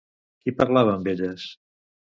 Qui parlava amb elles?